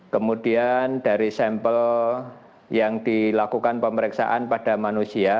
kemudian dari sampel yang dilakukan pemeriksaan pada manusia